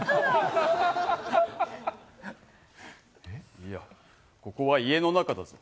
いや、ここは家の中だぞ？